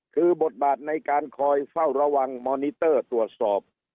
คือบทบาทในการคอยเฝ้าระวังมอนิเตอร์ตรวจสอบ